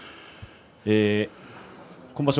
今場所